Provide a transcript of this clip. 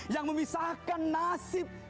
yang memisahkan nasib